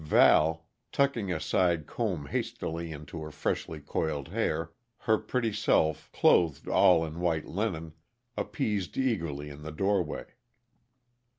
Val, tucking a side comb hastily into her freshly coiled hair, her pretty self clothed all in white linen, appeased eagerly in the doorway.